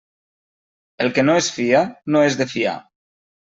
El que no es fia, no és de fiar.